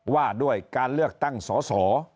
ว่าด้วยการเลือกตั้งสอสอ